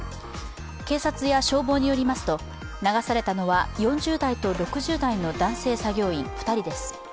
警察や消防によりますと、流されたのは４０代と６０代の男性作業員２人です。